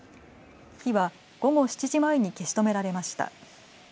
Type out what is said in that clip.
火は午後７時前に消し止められました。